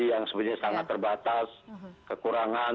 yang sebenarnya sangat terbatas kekurangan